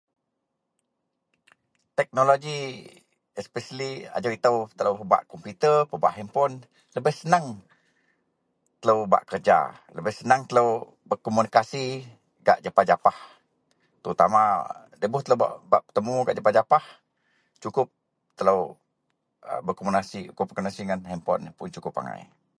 Teknologi especially ajau itou pebak komputer, pebak henpon lebeh seneng telou bak kerja, lebeh seneng telou berkomunikasi gak japah-japah terutama dibuh telou bak petemu gak japah-japah cukup telou berkomunikasi ngan henpon yen un cukup angai